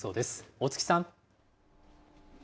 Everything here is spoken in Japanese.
大槻さん。